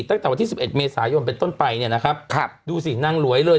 ตั้งแต่วันที่สิบเอ็ดเมษายนเป็นต้นไปเนี่ยนะครับครับดูสินางหลวยเลย